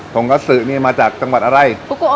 งกระสือนี่มาจากจังหวัดอะไร